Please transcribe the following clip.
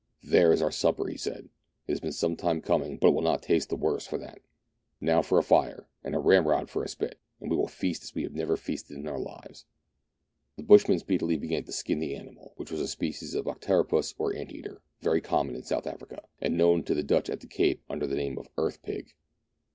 " There is our supper," he said. " It has been some time coming, but it will not taste the worse for that. Now for a fire, and a ramrod for a spit, and we will feast as we have never feasted in our lives." THREE ENGLISHMEN AND THREE RUSSIANS. 1 99 The bushman speedily began to skin the animal, which was a species of octeropus or ant eater, very common in South Africa, and known to the Dutch at the Cape under the name of "earth pig."